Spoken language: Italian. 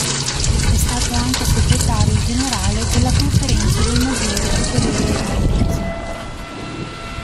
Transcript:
È stato anche segretario generale della Conferenza dei maggiori superiori irlandesi.